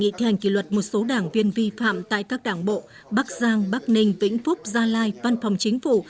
hai các đảng bộ bắc giang bắc ninh vĩnh phúc gia lai văn phòng chính phủ